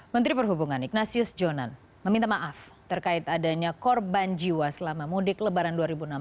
menteri perhubungan ignatius jonan meminta maaf terkait adanya korban jiwa selama mudik lebaran dua ribu enam belas